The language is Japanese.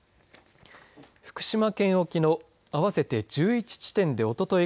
福島県沖の合わせて１１地点でおととい